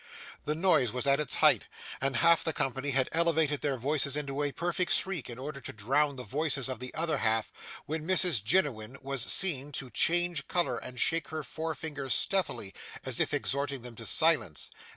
The noise was at its height, and half the company had elevated their voices into a perfect shriek in order to drown the voices of the other half, when Mrs Jiniwin was seen to change colour and shake her forefinger stealthily, as if exhorting them to silence.